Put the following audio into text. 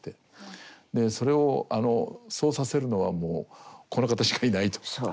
でそれをあのそうさせるのはもうこの方しかいないと。